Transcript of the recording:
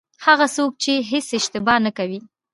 هغه څوک چې هېڅ اشتباه نه کوي.